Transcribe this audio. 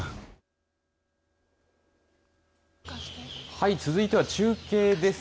はい、続いては中継です。